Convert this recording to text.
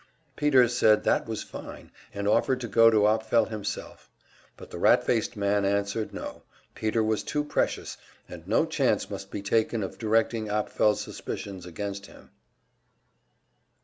Peter said that was fine, and offered to go to Apfel himself; but the rat faced man answered no, Peter was too precious, and no chance must be taken of directing Apfel's suspicions against him.